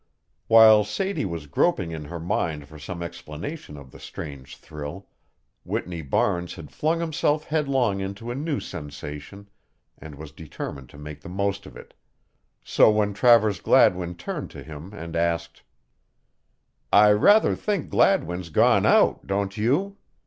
While Sadie was groping in her mind for some explanation of the strange thrill, Whitney Barnes had flung himself headlong into a new sensation and was determined to make the most of it, so when Travers Gladwin turned to him and asked: "I rather think Gladwin's gone out, don't you?"